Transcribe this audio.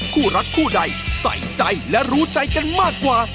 คู่รักคู่ใดใส่ใจและรู้ใจกันมากกว่า